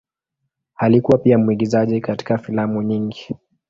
Alikuwa pia mwigizaji katika filamu nyingi.